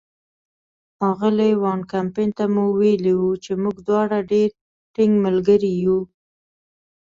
اغلې وان کمپن ته مو ویلي وو چې موږ دواړه ډېر ټینګ ملګري یو.